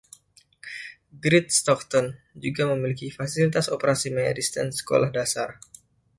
Great Staughton juga memiliki fasilitas operasi medis dan sekolah dasar.